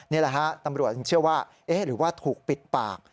นี่แหละฮะตำรวจเชื่อว่าเอ๊ะหรือว่าถูกปิดปาก